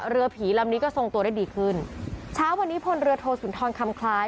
เรือผีลำนี้ก็ทรงตัวได้ดีขึ้นเช้าวันนี้พลเรือโทสุนทรคำคล้าย